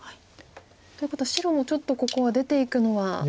ということは白もちょっとここは出ていくのは。